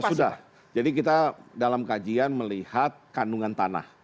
sudah jadi kita dalam kajian melihat kandungan tanah